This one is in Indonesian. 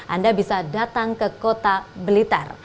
anda bisa datang ke kota blitar